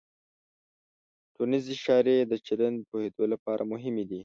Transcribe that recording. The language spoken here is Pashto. ټولنیز اشارې د چلند پوهېدو لپاره مهمې دي.